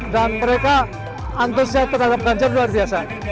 dan mereka antusias terhadap ganjar luar biasa